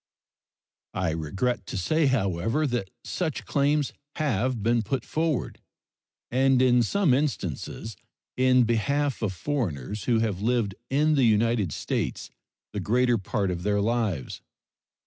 I regret to say, however, that such claims have been put forward, and in some instances in behalf of foreigners who have lived in the United States the greater part of their lives.